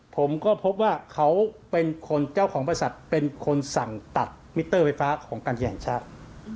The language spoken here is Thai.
ผมก็พบว่าเขาเป็นคนเจ้าของบริษัทเป็นคนสั่งตัดมิเตอร์ไฟฟ้าของการแข่งชาติ